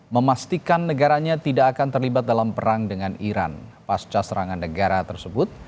memastikan negaranya tidak akan terlibat dalam perang dengan iran pasca serangan negara tersebut